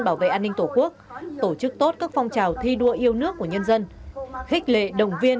bảo vệ an ninh tổ quốc tổ chức tốt các phong trào thi đua yêu nước của nhân dân khích lệ đồng viên